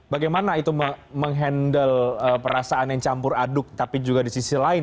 bagaimana itu menghandle perasaan yang campur aduk tapi juga disimpulkan